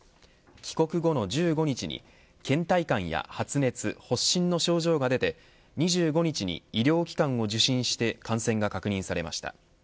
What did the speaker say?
帰国後の１５日に、倦怠感や発熱発疹の症状が出て２５日に医療機関を受診して感染が確認されました。